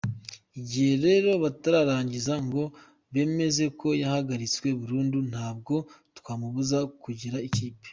Igihe rero batararangiza ngo bemeze ko yahagaritswe burundu ntabwo twamubuza kwegera ikipe".